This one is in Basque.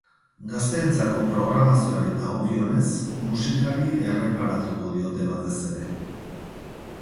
Gazteentzako programazioari dagokionez, musikari erreparatuko diote batez ere.